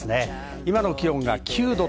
今の気温が９度。